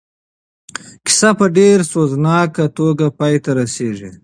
کیسه په ډېره سوزناکه توګه پای ته رسېږي.